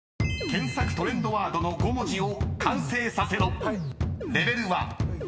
［検索トレンドワードの５文字を完成させろ。